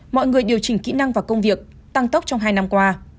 mọi người điều chỉnh kỹ năng và công việc tăng tốc trong hai năm qua